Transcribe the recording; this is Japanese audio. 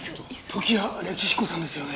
時矢暦彦さんですよね？